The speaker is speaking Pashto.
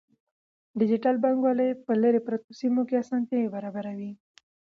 ډیجیټل بانکوالي په لیرې پرتو سیمو کې اسانتیاوې برابروي.